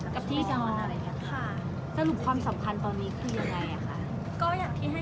กับที่สำคัญตอนนี้คืออย่างไรคะ